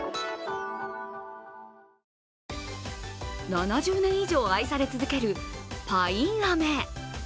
７０年以上、愛され続けるパインアメ。